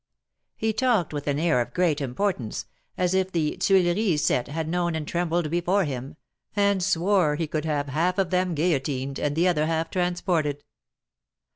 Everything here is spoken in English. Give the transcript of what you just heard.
He talked with an air of great importance, as if the Tuileries set had known and trembled before him, and swore he could have half of them guillotined, and the other half transported.